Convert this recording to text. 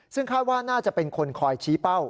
ซึ่งคาดว่าน่าจะเป็นคนคอยชี้เป้า